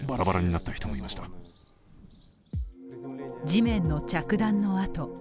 地面の着弾の跡。